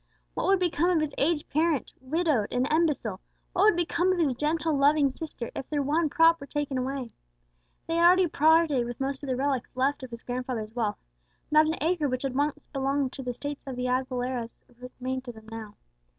What would become of his aged parent, widowed and imbecile what would become of his gentle loving sister, if their one prop were taken away? They had already parted with most of the relics left of his grandfather's wealth; not an acre which had once belonged to the estates of the Aguileras remained to them now.